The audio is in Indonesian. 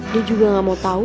dia juga gak mau tahu